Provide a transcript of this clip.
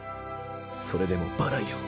それでもバランよ